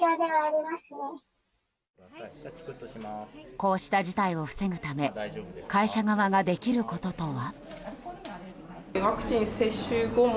こうした事態を防ぐため会社側ができることとは。